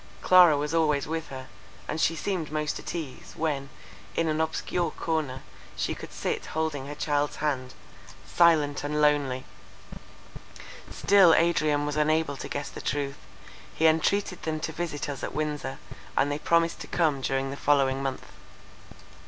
—Clara was always with her, and she seemed most at ease, when, in an obscure corner, she could sit holding her child's hand, silent and lonely. Still Adrian was unable to guess the truth; he entreated them to visit us at Windsor, and they promised to come during the following month.